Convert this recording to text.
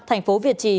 thành phố việt trì